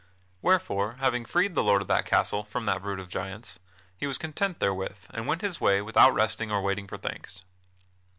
Wherefore, having freed the lord of that castle from that brood of giants, he was content therewith and went his way without resting or waiting for thanks.